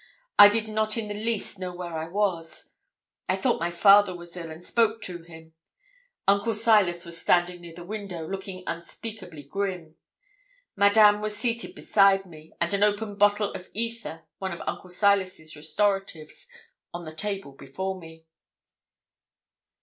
I did not in the least know where I was. I thought my father was ill, and spoke to him. Uncle Silas was standing near the window, looking unspeakably grim. Madame was seated beside me, and an open bottle of ether, one of Uncle Silas's restoratives, on the table before me.